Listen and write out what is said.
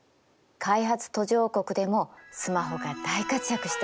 開発途上国でもスマホが大活躍してるって。